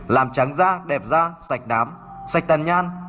làm trắng da đẹp da sạch nám sạch tàn nhan